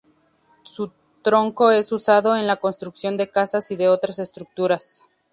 Su tronco es usado en la construcción de casas y de otras estructuras.